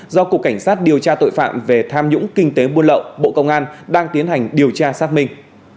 do cục cảnh sát điều tra tội phạm về tham nhũng kinh tế buôn lậu bộ công an đang tiến hành điều tra xác minh